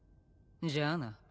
じゃあな。